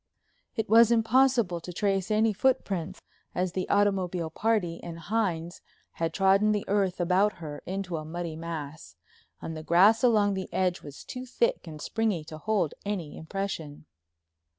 It was impossible to trace any footprints, as the automobile party and Hines had trodden the earth about her into a muddy mass, and the grass along the edge was too thick and springy to hold any impression.